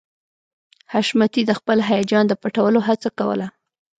حشمتي د خپل هيجان د پټولو هڅه کوله